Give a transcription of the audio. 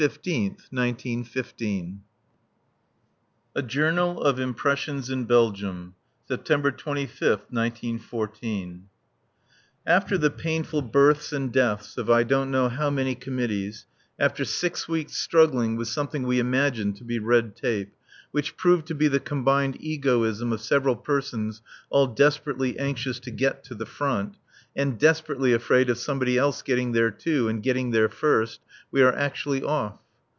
FOOTNOTES: [Footnote A: See Postscript.] A JOURNAL OF IMPRESSIONS IN BELGIUM A JOURNAL OF IMPRESSIONS IN BELGIUM [September 25th, 1914.] After the painful births and deaths of I don't know how many committees, after six weeks' struggling with something we imagined to be Red Tape, which proved to be the combined egoism of several persons all desperately anxious to "get to the Front," and desperately afraid of somebody else getting there too, and getting there first, we are actually off.